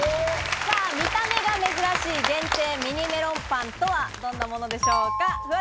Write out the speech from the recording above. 見た目が珍しい限定ミニメロンパンとはどんなものでしょうか？